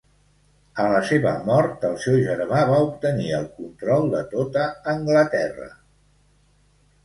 A la seva mort el seu germà va obtenir el control de tota Anglaterra.